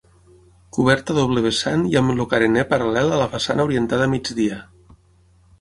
Coberta a doble vessant i amb el carener paral·lel a la façana, orientada a migdia.